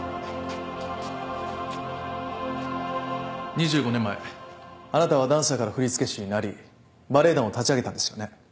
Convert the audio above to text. ２５年前あなたはダンサーから振付師になりバレエ団を立ち上げたんですよね。